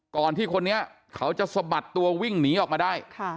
ที่คนนี้เขาจะสะบัดตัววิ่งหนีออกมาได้